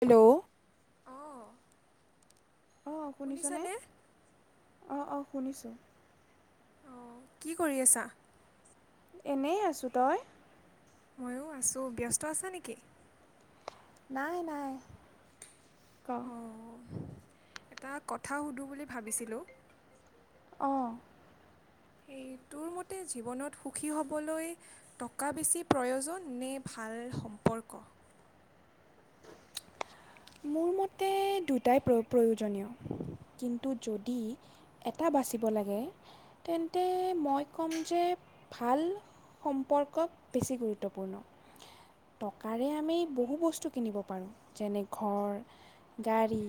Hello অঁ অ শুনিছনে শুনিছানে অ অ শুনিছোঁ। অ কি কৰি আছা এনেই আছো, তই মইয়ো আছো ব্যস্ত আছা নেকি নাই, নাই ক। অঁ এটা কথা সুধো বুলি ভাবিছিলোঁ। অ'। সেই, তোৰ মতে জীৱনত সুখী হ'বলৈ টকা বেছি প্ৰয়োজন নে ভাল সম্পৰ্ক মোৰ মতে দুটাই প্ৰ-প্ৰয়োজনীয় কিন্তু যদি এটা বাচিব লাগে, তেন্তে মই ক'ম যে ভাল সম্পৰ্ক বেছি গুৰুত্বপূৰ্ণ। টকাৰে আমি বহু বস্তু কিনিব পাৰোঁ, যেনে ঘৰ গাড়ী,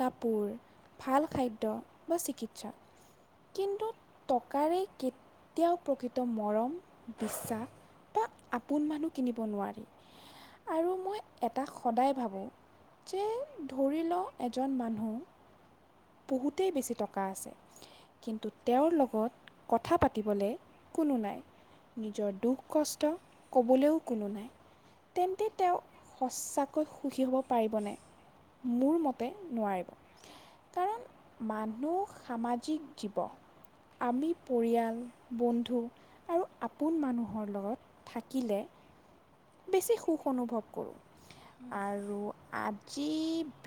কাপোৰ, ভাল খাদ্য বা চিকিৎসা। কিন্তু টকাৰে কেতিয়াও প্ৰকৃত মৰম বিশ্বাস বা আ আপোন মানুহ কিনিব নোৱাৰে আৰু মই এটা সদায় ভাবোঁ যে ধৰি ল এজন মানুহ বহুতে বেছি টকা আছে। কিন্তু তেওঁৰ লগত কথা পাতিবলে কোনো নাই। নিজৰ দুখ কষ্ট ক'বলৈও কোনো নাই। তেন্তে তেওঁ সচাকৈ সুখী হ'ব পাৰিবনে মোৰ মতে নোৱাৰিব। কাৰণ মানুহ সামাজিক জীৱ আমি পৰিয়াল বন্ধু আৰু আপোন মানুহৰ লগত থাকিলে বেছি সুখ অনুভৱ কৰোঁ আৰু আ যি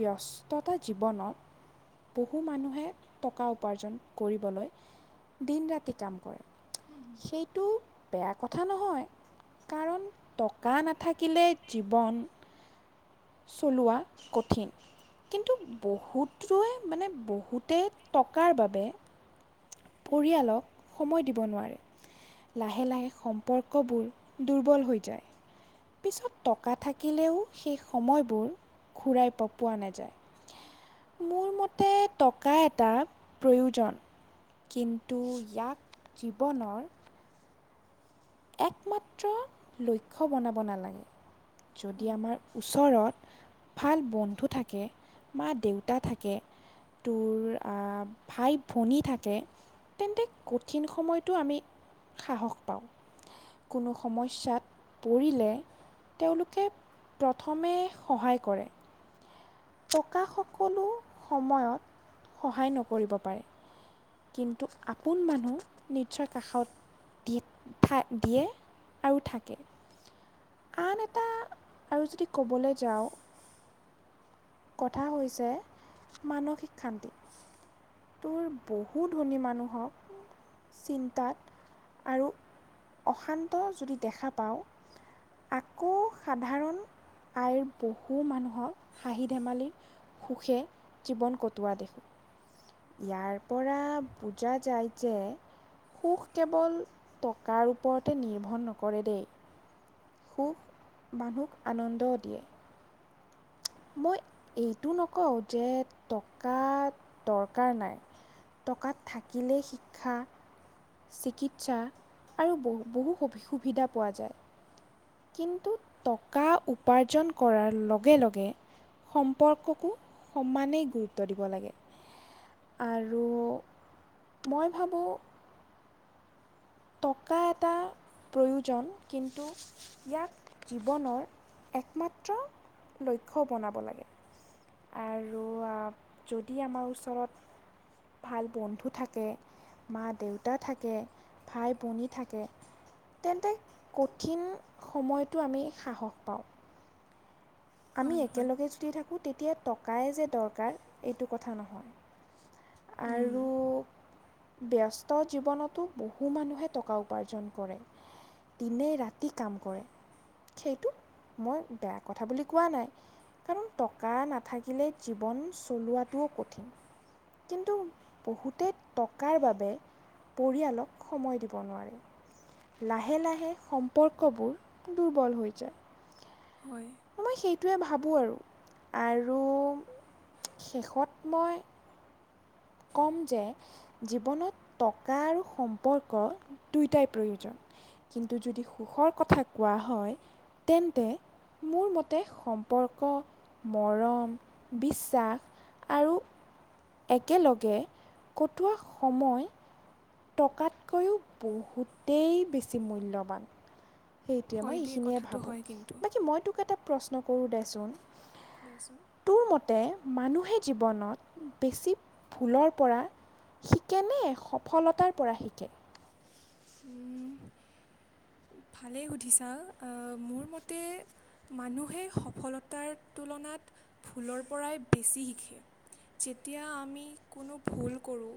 ব্যস্ততা জীৱনত বহু মানুহে টকা উপাৰ্জন কৰিবলৈ দিন ৰাতি কাম কৰে হুম হুম সেইটো বেয়া কথা নহয় কাৰণ গা নাথাকিলে জীৱন চলোৱা কঠিন কিন্তু বহুতৰে মানে বহুতে টকাৰ বাবে পৰিয়ালক সময় দিব নোৱাৰে লাহে লাহে সম্পৰ্কবোৰ দুৰ্বল হৈ যায় পিছত টকা থাকিলেও সেই সময়বোৰ ঘূৰাই পা পোৱা নাযায় মোৰ মতে টকা এটা প্ৰয়োজন কিন্তু ইয়াক জীৱনৰ একমাত্ৰ লক্ষ্য বনাব নালাগে যদি আমাৰ ওচৰত ভাল বন্ধু থাকে মা দেউতা থাকে তোৰ আ ভাই ভনী থাকে তেন্তে কঠিন সময়টো আমি সাহস পাওঁ কোনো সমস্যাত পৰিলে তেওঁলোকে প্ৰথমে সহায় কৰে টকা সকলো সময়ত সহায় নকৰিব পাৰে কিন্তু আপোন মানুহ নিশ্চয় কাষত দি থা দিয়ে আৰু থাকে আন এটা আৰু যদি ক'বলৈ যাওঁ কথা হৈছে মানসিক শান্তি তোৰ বহু ধনী মানুহক চিন্তাত আৰু অশান্ত যদি দেখা পাওঁ আকৌ সাধাৰণ আইৰ বহু মানুহ হক হাঁহি ধেমালি সুখে জীৱন কটোৱা দেখোঁ ইয়াৰ পৰা বুজা যায় যে সুখ কেৱল টকাৰ ওপৰতে নিৰ্ভৰ নকৰে দেই সুখ মানুহক আনন্দ দিয়ে মই এইটো নকওঁ যে টকা দৰকাৰ নাই টকাত থাকিলেই শিক্ষা চিকিৎসা আৰু ব বহু সুবিধা পোৱা যায় কিন্তু টকা উপাৰ্জন কৰাৰ লগে লগে সম্পৰ্ককো সমানেই গুৰুত্ব দিব লাগে আৰু মই ভাবোঁ টকা এটা প্ৰয়োজন কিন্তু ইয়াক জীৱনৰ একমাত্ৰ লক্ষ্য বনাব লাগে আৰু যদি আমাৰ ওচৰত ভাল বন্ধু থাকে মা দেউতা থাকে ভাই ভনী থাকে তেন্তে কঠিন সময়তো আমি সাহস পাওঁ আমি হয় হয় একেলগে যদি থাকোঁ তেতিয়া টকাই যে দৰকাৰ এইটো কথা নহয় উম, আৰু ব্যস্ত জীৱনতো বহু মানুহে টকা উপাৰ্জন কৰে। দিনে ৰাতি কাম কৰে সেইটো মই বেয়া কথা বুলি কোৱা নাই কাৰণ টকা নাথাকিলে জীৱন চলোৱাটোও কঠিন কিন্তু বহুতে টকাৰ বাবে পৰিয়ালক সময় দিব নোৱাৰে লাহে-লাহে সম্পৰ্কবোৰ দুৰ্বল হৈ যায়। হয় মই সেইটোৱে ভাবোঁ আৰু আৰু শেষত মই ক'ম যে জীৱনত টকা আৰু সম্পৰ্ক দুইটাই প্ৰয়োজন কিন্তু যদি সুখৰ কথা কোৱা হয় তেন্তে মোৰ মতে সম্পৰ্ক মৰম বিশ্বাস আৰু একেলগে কটোৱা সময় টকাতকৈও বহুতেই বেছি মূল্যৱান সেইটোৱে হয় মই দেই এইখিনিয়ে কথাটো ভাবোঁ হয় কিন্তু বাকী মই তোক এটা প্ৰশ্ন কৰোঁ দেচোন দেচোন তোৰ মতে মানুহে জীৱনত বেছি ভুলৰ পৰা শিকেনে সফলতাৰ পৰা শিকে উম, [unintelligible] ভালেই সুধিছা আহ মোৰ মতে মানুহে সফলতাৰ তুলনাত ভুলৰ পৰাই বেছি শিকে যেতিয়া আমি কোনো ভুল কৰোঁ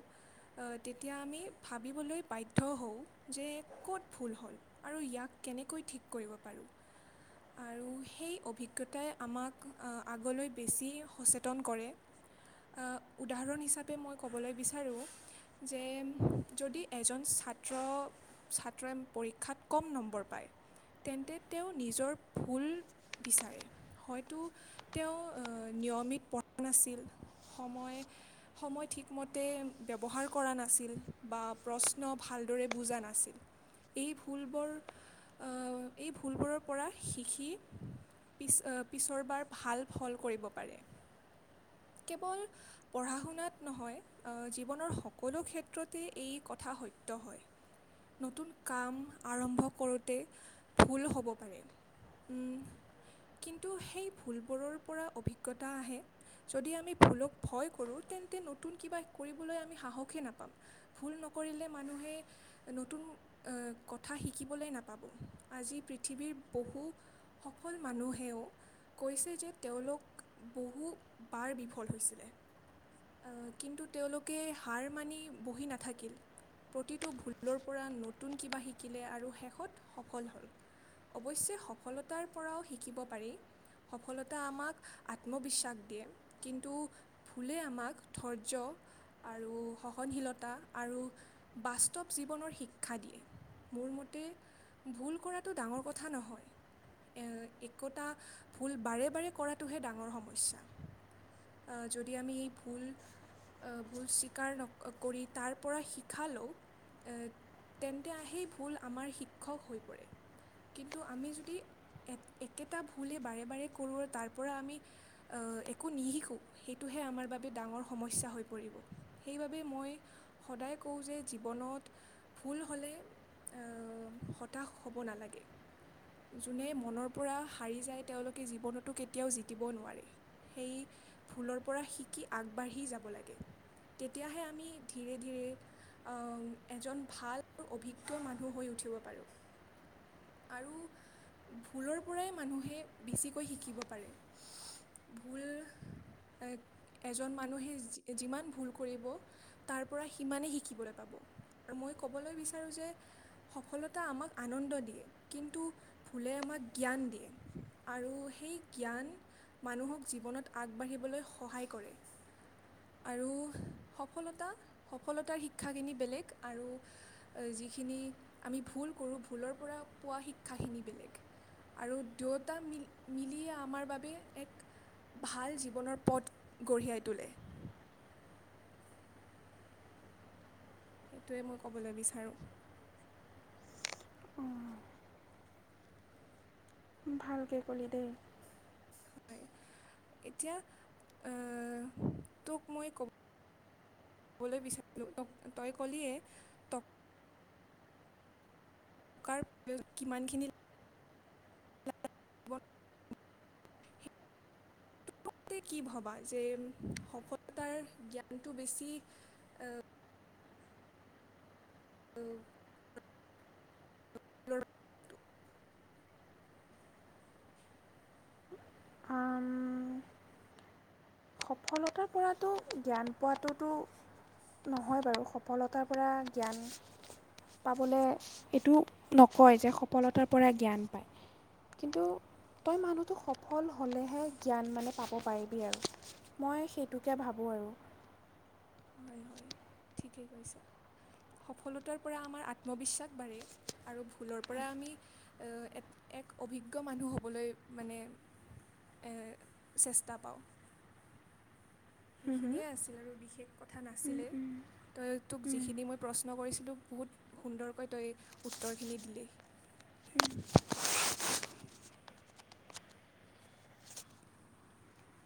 তেতিয়া আমি ভাবিবলৈ বাধ্য হওঁ। যে ক'ত ভুল হ'ল আৰু ইয়াক কেনেকৈ ঠিক কৰিব পাৰোঁ। আৰু সেই অভিজ্ঞতাই আমাক আগলৈ বেছি সচেতন কৰে। আহ উদাহৰণ হিচাপে মই ক'বলৈ বিচাৰোঁ যে যদি এজন ছাত্ৰ ছাত্ৰই পৰীক্ষাত কম নম্বৰ পায় তেন্তে তেওঁ নিজৰ ভুল বিচাৰে হয়তো তেওঁ নিয়মিত পঢ়া নাছিল সময় সময় ঠিকমতে ব্যৱহাৰ কৰা নাছিল বা প্ৰশ্ন ভালদৰে বুজা না ছিল এই ভুলবোৰ এই ভুলবোৰৰ পৰা শিকি পিছ পিছৰবাৰ ভাল ফল কৰিব পাৰে কেৱল পঢ়া শুনাত নহয় জীৱনৰ সকলো ক্ষেত্ৰতে এই কথা সত্য হয় নতুন কাম আৰম্ভ কৰোঁতে ভুল হ'ব পাৰে উম কিন্তু সেই ভুলবোৰৰ পৰা অভিজ্ঞতা আহে যদি আমি ভুলক ভয় কৰোঁ তেন্তে নতুন কিবা কৰিবলৈ আমি সাহসে নাপাম। ভুল নকৰিলে মানুহে নতুন কথা শিকিবলৈ নাপাব আজি পৃথিৱীৰ বহু সফল মানুহেও কৈছে যে তেওঁলোক বহু বাৰ বিফল হৈছিলে কিন্তু তেওঁলোকে হাৰ মানি বহি নাথাকিল প্ৰতিটো ভুল ভুলৰ পৰা নতুন কিবা শিকিলে আৰু শেষত সফল হ'ল অৱশ্যে সফলতাৰ পৰাও শিকিব পাৰি। সফলতা আমাক আত্মবিশ্বাস দিয়ে কিন্তু ভুলে আমাক ধৈৰ্য আৰু সহনশীলতা আৰু বাস্তৱ জীৱনৰ শিক্ষা দিয়ে মোৰ মতে ভুল কৰাটো ডাঙৰ কথা নহয় এ একতা ভুল বাৰে-বাৰে কৰাটোহে ডাঙৰ সমস্যা। আহ যদি আমি এই ভুল ভুল স্বীকাৰ নক কৰি তাৰ পৰা শিক্ষা লও এ তেন্তে আহি ভুল আমাৰ শিক্ষক হৈ পৰে। কিন্তু আমি যদি এ একেটা ভুলেই বাৰে বাৰে কৰোঁ তাৰ পৰা আমি আহ একো নিশিকোঁ সেইটোহে আমাৰ বাবে ডাঙৰ সমস্যা হৈ পৰিব সেইবাবে মই সদায় কওঁ যে জীৱনত ভুল হ'লে অহ, হতাশ হ'ব নালাগে। যোনে মনৰ পৰা হাৰি যায়, তেওঁলোকে জীৱনতো কেতিয়াও জিকিব নোৱাৰে। সেই ভুলৰ পৰা শিকি আগবাঢ়ি যাব লাগে। তেতিয়াহে আমি ধীৰে ধীৰে আহ, এজন ভাল আৰু অভিজ্ঞ মানুহ হৈ উঠিব পাৰোঁ আৰু ভুলৰ পৰাই মানুহে বেছিকৈ শিকিব পাৰে। [unintelligible] ভুল এক- এজন মানুহে যি-যিমান ভুল কৰিব, তাৰ পৰা সিমানেই শিকিবলৈ পাব। আৰু মই ক'বলৈ বিচাৰোঁ যে, সফলতা আমাক আনন্দ দিয়ে কিন্তু ভুলে আমাক জ্ঞান দিয়ে আৰু সেই জ্ঞান মানুহক জীৱনত আগবাঢ়িবলৈ সহায় কৰে। আৰু সফলতা, সফলতাৰ শিক্ষাখিনি বেলেগ আৰু যিখিনি আমি ভুল কৰোঁ, ভুলৰ পৰা পোৱা শিক্ষাখিনি বেলেগ। আৰু দুয়োটা মিল-মিলিয়ে আমাৰ বাবে এক ভাল জীৱনৰ পথ গঢ়িয়াই তোলে। সেইটোৱে মই ক'বলৈ বিচাৰোঁ। উম। ভালকে ক'লি দে। হয়। এতিয়া আহ, তোক মই ক ক'বলৈ বিচাৰিলো, ত-তই ক'লিয়ে কাৰণ [unintelligible] কিমানখিনি লাগিব তে' কি ভবা যে, সফলতাৰ জ্ঞানটো বেছি অ' [unintelligible] আম সফলতাৰ পৰাতো, জ্ঞান পোৱটোতো নহয় বাৰু সফলতাৰ পৰা জ্ঞান পাবলৈ, এইটো নকয় যে সফলতাৰ পৰাই জ্ঞান পায়। কিন্তু তই মানুহটো সফল হ'লেহে জ্ঞান মানে পাব পাৰিবি আৰু। মই সেইটোকে ভাবোঁ আৰু। হয়, হয়। ঠিকে কৈছা। সফলতাৰ পৰা আমাৰ আত্মবিশ্বাস বাঢ়ে আৰু ভুলৰ পৰা আমি এ এক-এক অভিজ্ঞ মানুহ হ'বলৈ মানে এ চেষ্টা পাওঁ। সিখিনিয়ে আছিল আৰু বিশেষ কথা নাছিলে। তই, তোক যিখিনি মই প্ৰশ্ন কৰিছিলোঁ বহুত সুন্দৰকৈ তই উত্তৰখিনি দিলি।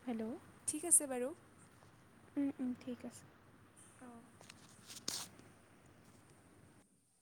হেল্ল'। ঠিক আছে বাৰু। ঠিক আছে। অঁ